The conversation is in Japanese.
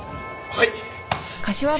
はい。